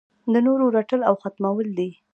د نورو رټل او ختمول دي.